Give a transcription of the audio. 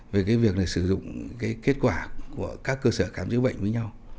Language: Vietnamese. về cái việc sử dụng kết quả của các cơ sở khám chữa bệnh với nhau